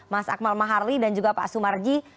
mas akmal maharly dan juga pak asumarji